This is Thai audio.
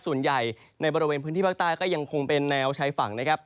ส่วนใหญ่ในบริเวณพื้นที่ภาคใต้ก็ยังคงเป็นแนวชายฝั่งนะครับ